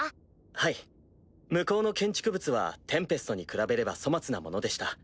はい向こうの建築物はテンペストに比べれば粗末なものでした。